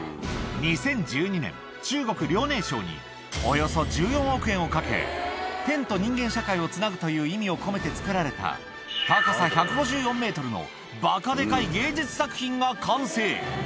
２０１２年、中国・遼寧省に、およそ１４億円をかけ、天と人間社会をつなぐという意味を込めて作られた、高さ１５４メートルの、ばかでかい芸術作品が完成。